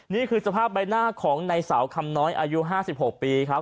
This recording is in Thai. นี่คือสภาพใบหน้าของในสาวคำน้อยอายุ๕๖ปีครับ